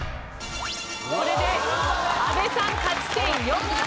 これで阿部さん勝ち点